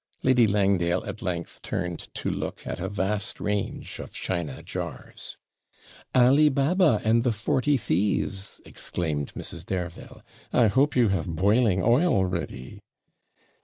Lady Langdale at length turned to look at a vast range of china jars. 'Ali Baba and the forty thieves!' exclaimed Mrs. Dareville; 'I hope you have boiling oil ready!'